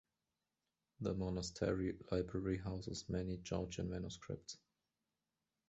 The monastery library houses many Georgian manuscripts.